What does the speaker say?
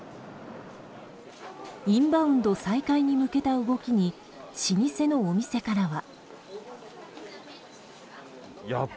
インバウンド再開に向けた動きに老舗のお店からは。